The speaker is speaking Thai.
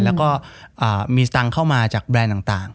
แล้วก็มีสตังค์เข้ามาจากแบรนด์ต่าง